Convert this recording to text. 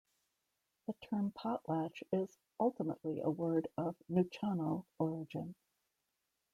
The term 'potlatch' is ultimately a word of Nuu-chah-nulth origin.